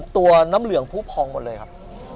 ตัวน้ำเหลืองผู้พองหมดเลยครับ